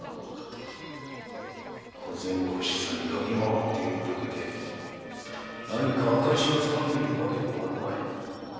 小銭欲しさに嗅ぎ回ってるだけで証しを掴んだわけではあるまい。